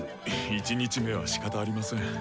１日目はしかたありません。